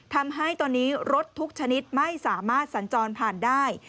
ทำให้ตอนนี้รถทุกชนิดไม่สามารถสัญจรผ่านได้